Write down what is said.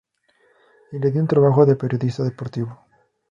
Y le di un trabajo de periodista deportivo.